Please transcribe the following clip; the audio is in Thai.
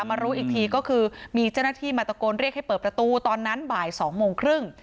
มารู้อีกทีก็คือมีเจ้าหน้าที่มาตะโกนเรียกให้เปิดประตูตอนนั้นบ่าย๒โมงครึ่ง